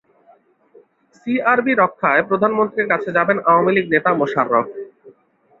CRB রক্ষায় প্রধানমন্ত্রীর কাছে যাবেন আওয়ামী লীগ নেতা মোশাররফ